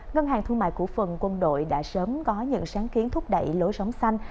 ngân hàng thương mại cổ phần quân đội đã sớm có những sáng kiến thúc đẩy lối sống xanh